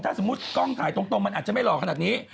ถ้าสมมุติกล้องถ่ายตรงมันอาจจะไม่หล่อขนาดนี้